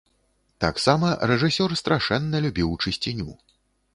Таксама рэжысёр страшэнна любіў чысціню.